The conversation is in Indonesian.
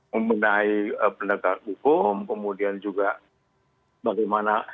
membenahi penegakan hukum kemudian juga bagaimana